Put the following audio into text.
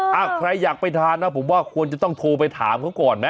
ถ้าใครอยากไปทานนะผมว่าควรจะต้องโทรไปถามเขาก่อนไหม